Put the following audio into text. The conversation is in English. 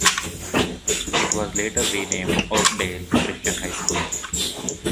It was later renamed Oakdale Christian High School.